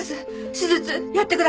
手術やってください！